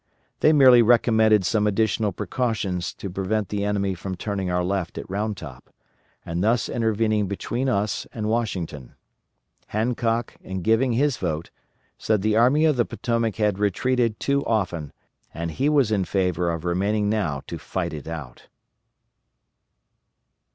They merely recommended some additional precautions to prevent the enemy from turning our left at Round Top, and thus intervening between us and Washington. Hancock, in giving his vote, said the Army of the Potomac had retreated too often, and he was in favor of remaining now to fight it out.